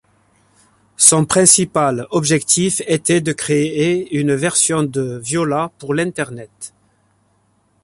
Son principal objectif était de créer une version de Viola pour l'Internet.